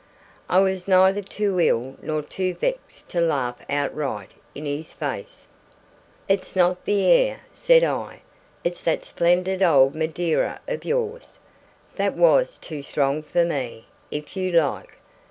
I was neither too ill nor too vexed to laugh outright in his face. "It's not the air," said I; "it's that splendid old Madeira of yours, that was too strong for me, if you like!